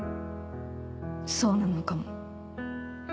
そうなのかも。